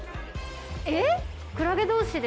えっ？